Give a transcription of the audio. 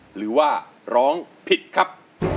หรือว่าร้องผิดครับ